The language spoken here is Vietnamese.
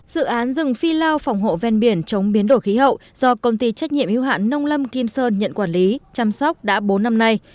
dự án rừng phi lao phòng hộ ven biển chống biến đổi khí hậu do công ty trách nhiệm yêu hạn nông lâm kim sơn nhận quản lý chăm sóc đã bốn năm nay